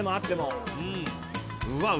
うわ。